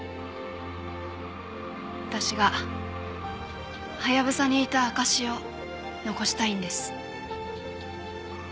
私がハヤブサにいた証しを残したいんです。